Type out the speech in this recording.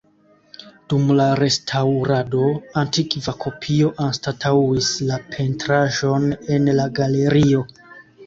Dum la restaŭrado, antikva kopio anstataŭis la pentraĵon en la galerio.